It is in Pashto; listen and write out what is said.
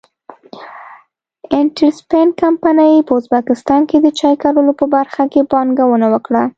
انټرسپن کمپنۍ په ازبکستان کې د چای کرلو په برخه کې پانګونه وکړه.